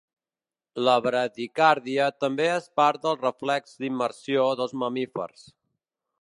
La bradicàrdia també és part del reflex d'immersió dels mamífers.